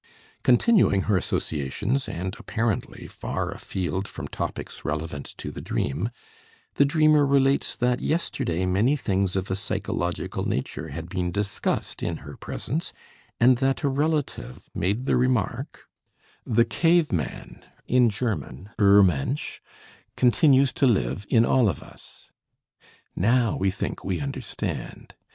Continuing her associations, and apparently far afield from topics relevant to the dream, the dreamer relates that yesterday many things of a psychological nature had been discussed in her presence, and that a relative made the remark: "The cave man (Urmensch) continues to live in all of us." Now we think we understand.